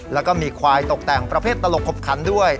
แล้วก็มีควายตกแต่งประเภทตลกขบขันด้วย